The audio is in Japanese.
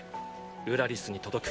ウラリスに届く。